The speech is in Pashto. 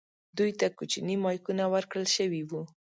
دوی ته کوچني مایکونه ورکړل شوي وو.